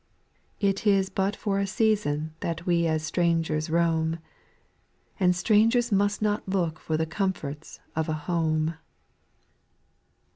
It is but for a season that we as strangers roam. And strangers must not look for the comforts of a home 144 SPIRITUAL SONGS, 3.